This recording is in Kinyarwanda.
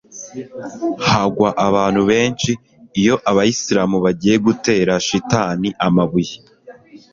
hagwa abantu benshi iyo abayisiramu bagiye gutera shitani amabuye